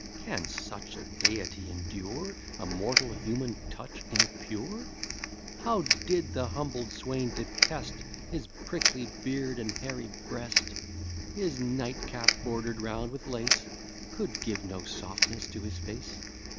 Can such a deity endure A mortal human touch impure? How did the humbled swain detest His prickly beard, and hairy breast! His night cap, border'd round with lace, Could give no softness to his face.